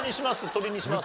鶏にします？